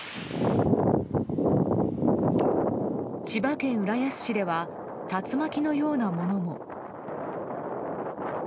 千葉県浦安市では竜巻のようなものも。